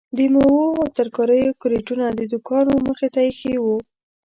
د میوو او ترکاریو کریټونه د دوکانو مخې ته ایښي وو.